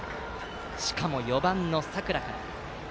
しかも４番の佐倉から。